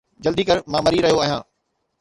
جلدي ڪر، مان مري رهيو آهيان